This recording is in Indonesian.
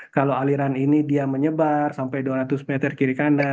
kalau aliran ini dia menyebar sampai dua ratus meter kiri kandar